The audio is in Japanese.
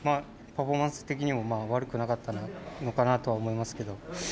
パフォーマンス的にも悪くなかったのかなとは思いますけど。